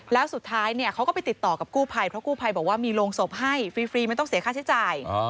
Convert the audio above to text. แล้วสุดท้ายเนี่ยเขาก็ไปติดต่อกับกู้ภัยเพราะกู้ภัยบอกว่ามีโรงศพให้ฟรีไม่ต้องเสียค่าใช้จ่าย